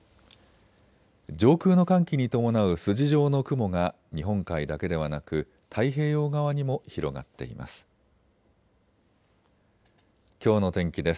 上空の寒気に伴う筋状の雲が日本海だけではなく太平洋側にも広がっています。